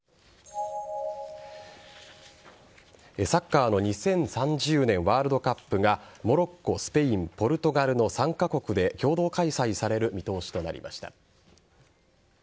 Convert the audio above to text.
サッカーの２０３０年ワールドカップがモロッコ、スペインポルトガルの３カ国で共同開催される見通しとなりました。